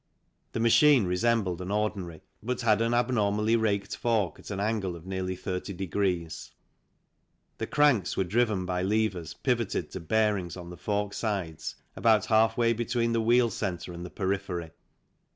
The machine resembled an ordinary, but had an abnormally raked fork at an angle of nearly 30. The cranks were driven by levers pivoted to bearings on the fork sides about half way between the wheel centre and the periphery.